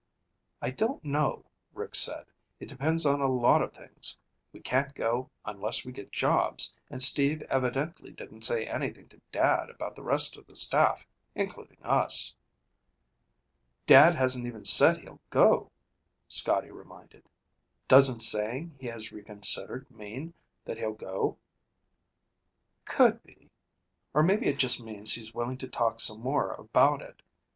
"I don't know," Rick said. "It depends on a lot of things. We can't go unless we get jobs, and Steve evidently didn't say anything to Dad about the rest of the staff, including us." "Dad hasn't even said he'll go," Scotty reminded. "Doesn't saying he has reconsidered mean that he'll go?" "Could be. Or maybe it just means he's willing to talk some more about it.